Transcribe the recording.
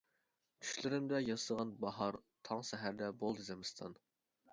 چۈشلىرىمدە ياسىغان باھار تاڭ سەھەردە بولدى زىمىستان.